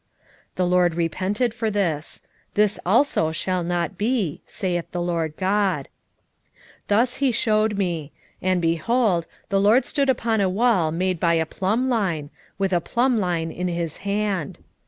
7:6 The LORD repented for this: This also shall not be, saith the Lord GOD. 7:7 Thus he shewed me: and, behold, the LORD stood upon a wall made by a plumbline, with a plumbline in his hand.